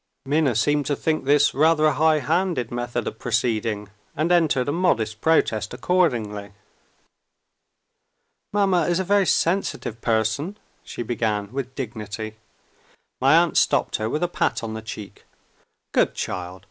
Minna seemed to think this rather a high handed method of proceeding, and entered a modest protest accordingly. "Mamma is a very sensitive person," she began with dignity. My aunt stopped her with a pat on the cheek. "Good child!